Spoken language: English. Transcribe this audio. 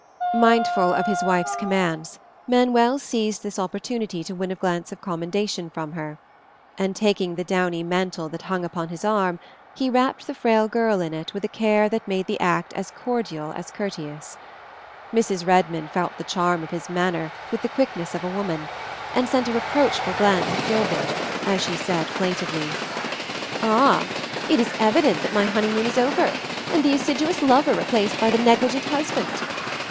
Mindful of his wife's commands, Manuel seized this opportunity to win a glance of commendation from her. And taking the downy mantle that hung upon his arm, he wrapped the frail girl in it with a care that made the act as cordial as courteous. Mrs. Redmond felt the charm of his manner with the quickness of a woman, and sent a reproachful glance at Gilbert as she said plaintively, "Ah! It is evident that my honeymoon is over, and the assiduous lover replaced by the negligent husband.